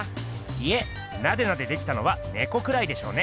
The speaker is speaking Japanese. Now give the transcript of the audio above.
いえナデナデできたのはねこくらいでしょうね。